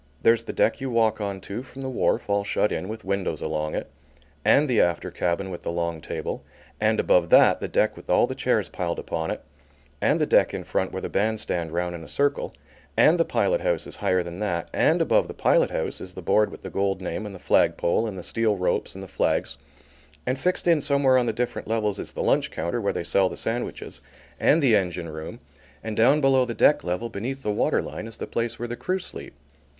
There's the deck you walk on to, from the wharf, all shut in, with windows along it, and the after cabin with the long table, and above that the deck with all the chairs piled upon it, and the deck in front where the band stand round in a circle, and the pilot house is higher than that, and above the pilot house is the board with the gold name and the flag pole and the steel ropes and the flags; and fixed in somewhere on the different levels is the lunch counter where they sell the sandwiches, and the engine room, and down below the deck level, beneath the water line, is the place where the crew sleep.